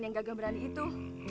yang gagah berani itu